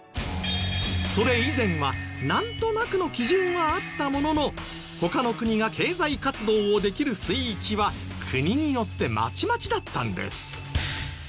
それ以前はなんとなくの基準はあったものの他の国が経済活動をできる水域は国によってまちまちだったんです。